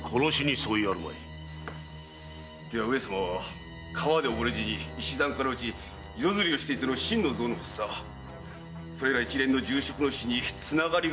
では上様は川で溺れ死に石段から落ち夜釣りをしていての心の臓の発作それら一連の重職の死につながりがあるとお考えで？